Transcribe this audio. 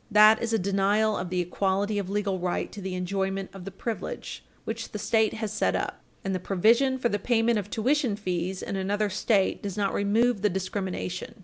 That is a denial of the equality of legal right to the enjoyment of the privilege Page 305 U. S. 350 which the State has set up, and the provision for the payment of tuition fees in another State does not remove the discrimination.